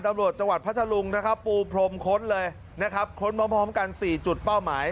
จังหวัดพัทธลุงนะครับปูพรมค้นเลยนะครับค้นพร้อมกัน๔จุดเป้าหมาย